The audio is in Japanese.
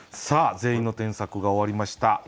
さあ全員の添削が終わりました。